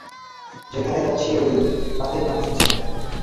যেখানেই যাচ্ছি, ঐ গাধীর নাম শুনছি আমি!